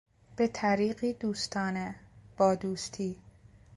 به طریقی دوستانه، بادوستی